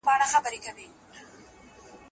احمد پرون په غونډي کي ډېره ښه وینا وکړه